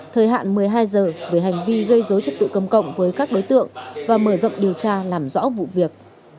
thời hạn một mươi hai h về hành vi gây dối trật tự công cộng với các đối tượng và mở rộng điều tra làm rõ vụ việc